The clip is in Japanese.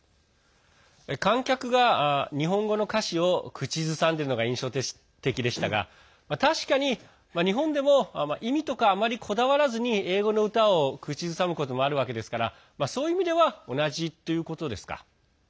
観客が日本語の歌詞を口ずさんでるのが印象的でしたが確かに日本でも意味とか、あまりこだわらずに英語の歌を口ずさむこともあるわけですからそういう意味では同じということですか。